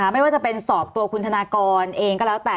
ไม่ว่าจะเป็นสอบตัวคุณธนากรเองก็แล้วแต่